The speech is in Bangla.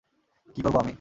কী করবো আমি?